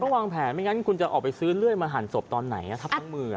วางแผนไม่งั้นคุณจะออกไปซื้อเลื่อยมาหั่นศพตอนไหนทับทั้งมือ